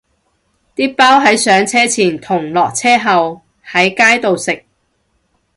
啲包係上車前同落車後喺街度食